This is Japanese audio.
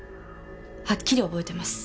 はっきり覚えてます。